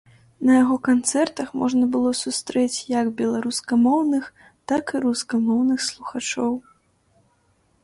На яго канцэртах можна было сустрэць як беларускамоўных, так і рускамоўных слухачоў.